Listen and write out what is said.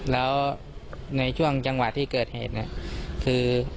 แล้วในช่วงจังหวะที่เกิดเหตุเนี่ยคือ